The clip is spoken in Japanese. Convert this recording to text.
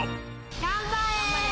頑張れ。